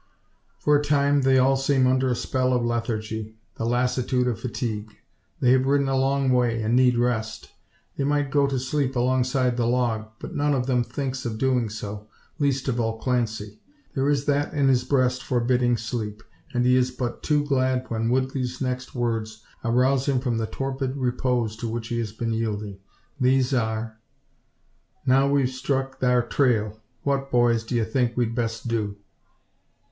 For a time they all seem under a spell of lethargy the lassitude of fatigue. They have ridden a long way, and need rest. They might go to sleep alongside the log, but none of them thinks of doing so, least of all Clancy. There is that in his breast forbidding sleep, and he is but too glad when Woodley's next words arouse him from the torpid repose to which he has been yielding. These are: "Now we've struck thar trail, what, boys, d'ye think we'd best do?"